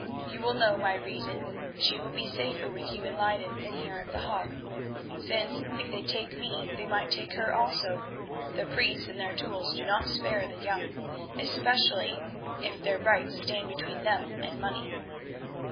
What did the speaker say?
You will know my reason. She will be safer with you in Leyden than here at The Hague, since if they take me they might take her also. The priests and their tools do not spare the young, especially if their rights stand between them and money.